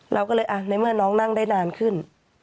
เราก็เลยในเมื่อน้องนั่งได้นานขึ้น